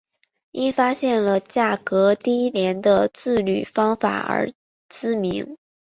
因发现了价格低廉的制铝方法而知名。